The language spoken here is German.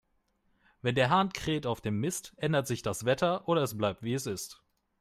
Wenn der Hahn kräht auf dem Mist, ändert sich das Wetter, oder es bleibt, wie es ist.